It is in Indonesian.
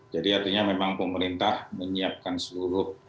jadi artinya memang pemerintah menyiapkan seluruh